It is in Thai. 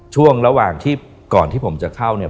ช่วงระหว่างที่ก่อนที่ผมจะเข้าเนี่ย